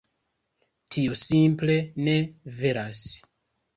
Tio simple ne veras.